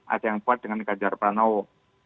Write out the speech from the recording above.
ada yang kuat dengan ganjar pranowo